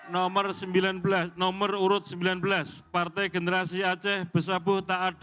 nomor urut sembilan belas partai generasi aceh besabuh taat